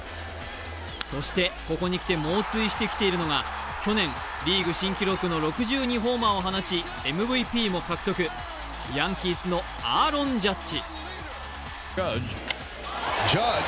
そして、ここにきて猛追してきてるのが去年リーグ新記録の６２ホーマーを放ちＭＶＰも獲得ヤンキースのアーロン・ジャッジ。